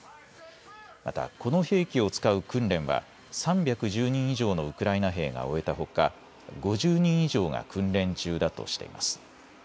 またこの兵器を使う訓練は３１０人以上のウクライナ兵が終えたほか５０人以上が訓練中だとしています。